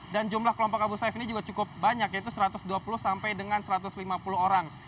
dan jumlah kelompok abu sayyaf ini juga cukup banyak yaitu satu ratus dua puluh sampai dengan satu ratus lima puluh orang